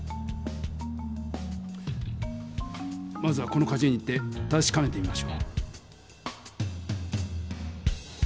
まずはこのかじゅ園に行ってたしかめてみましょう。